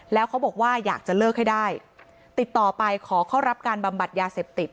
แล้วเขาบอกว่าอยากจะเลิกให้ได้ติดต่อไปขอเข้ารับการบำบัดยาเสพติด